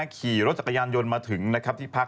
ขี่รถจักรยานยนต์มาถึงที่ภักโรงงาน